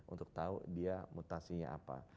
untuk tahu dia mutasinya apa